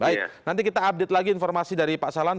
baik nanti kita update lagi informasi dari pak salam